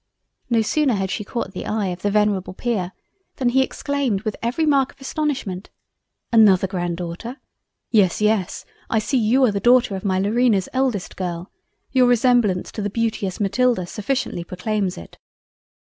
No sooner had she caught the eye of the venerable Peer, than he exclaimed with every mark of Astonishment—"Another Grandaughter! Yes, yes, I see you are the Daughter of my Laurina's eldest Girl; your resemblance to the beauteous Matilda sufficiently proclaims it.